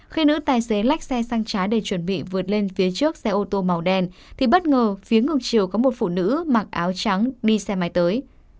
khi nữ tài xế lách xe sang trái để chuẩn bị vượt lên phía trước xe ô tô màu đen thì bất ngờ phía ngược chiều có một phụ nữ mặc áo trắng đi xe máy tới